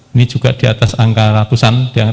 ini juga di atas angka ratusan